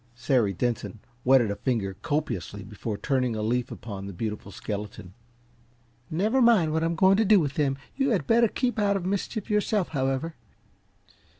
Sary Denson wetted a finger copiously before turning a leaf upon the beautiful skeleton. "Never mind what I'm going to do to them you had better keep out of mischief yourself, however.